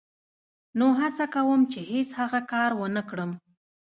نو هڅه کوم چې هېڅ هغه کار و نه کړم.